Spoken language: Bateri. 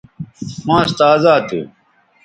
ماس تازا تھو